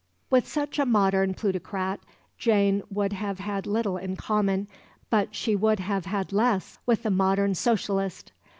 With such a modern plutocrat Jane would have had little in common, but she would have had less with the modern Socialist.